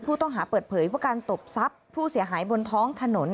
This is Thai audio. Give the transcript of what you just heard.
ผู้ต้องหาเปิดเผยว่าการตบทรัพย์ผู้เสียหายบนท้องถนน